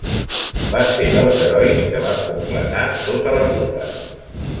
Va ser dels herois que van completar tota la ruta.